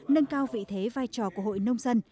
nâng cao vị thế vai trò của hội nông dân